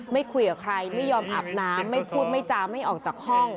ไม่คุยกับใครไม่ยอมอาบน้ำไม่พูดไม่จาไม่ออกจากห้อง